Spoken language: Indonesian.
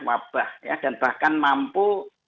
wabah dan bahkan mampu